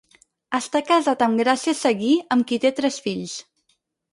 Està casat amb Gràcia Seguí amb qui té tres fills.